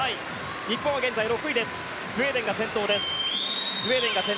日本は現在６位です。